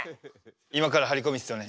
今から張り込みっすよね。